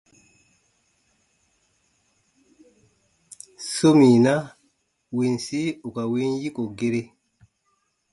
Sominaa winsi ù ka win yiko gere.